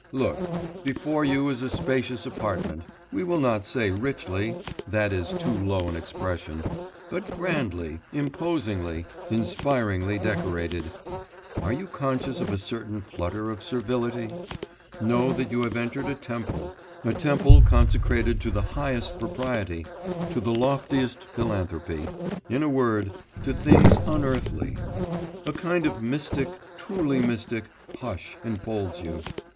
Look; before you is a spacious apartment, we will not say richly that is too low an expression but grandly, imposingly, inspiringly decorated. Are you conscious of a certain flutter of servility? Know that you have entered a temple, a temple consecrated to the highest propriety, to the loftiest philanthropy, in a word, to things unearthly.... A kind of mystic, truly mystic, hush enfolds you.